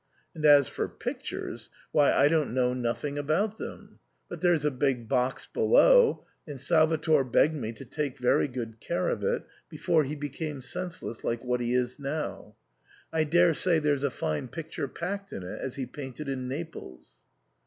And as for pictures — why, I don't know nothing about them ; but there's a big box below, and Salvator begged me to take very good care of it, before he became senseless like what he now is.. I daresay there's a fine picture packed in it, as he painted in Naples."